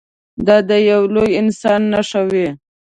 دا د یوه لوی انسان نښه وي.